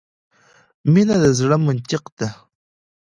مینه د زړه منطق ده .